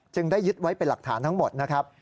ได้ยึดไว้เป็นหลักฐานทั้งหมดนะครับ